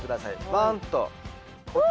バンと。